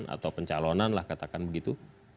atau pencalonan lah katakan begitu